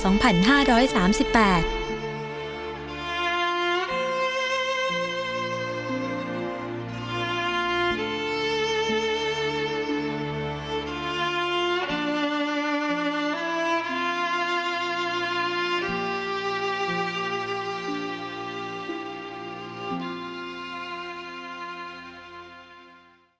โปรดติดตามตอนต่อไป